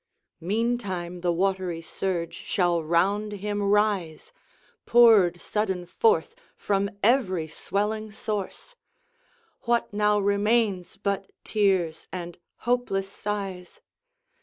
Meantime, the watery surge shall round him rise, Poured sudden forth from every swelling source. What now remains but tears and hopeless sighs?